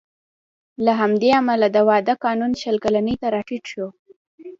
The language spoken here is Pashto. له همدې امله د واده قانون شل کلنۍ ته راټیټ شو